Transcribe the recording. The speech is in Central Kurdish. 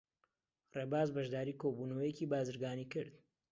ڕێباز بەشداریی کۆبوونەوەیەکی بازرگانیی کرد.